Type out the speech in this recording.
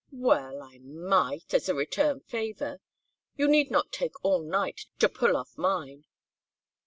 "Well, I might, as a return favor. You need not take all night to pull off mine."